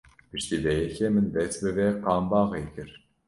Piştî vê yekê min dest bi vê kambaxê kir!.